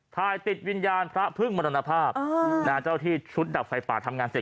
ถ่ายติดวิญญาณพระพึ่งมรณภาพเจ้าที่ชุดดับไฟป่าทำงานเสร็จ